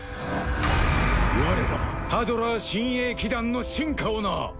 我らハドラー親衛騎団の進化をな！